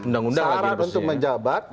seharusnya untuk menjabat